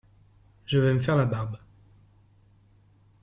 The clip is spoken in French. Je vais me faire la barbe !